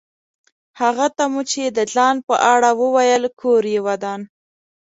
هغه ته مو چې د ځان په اړه وویل کور یې ودان.